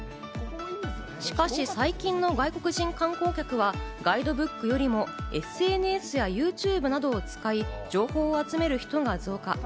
しかし最近の外国人観光客は、ガイドブックよりもＳＮＳやユーチューブなどを使い、情報を集める人が増加。